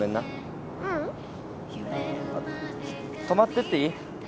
泊まってっていい？